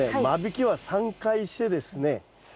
間引きは３回してですね